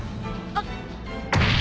あっ。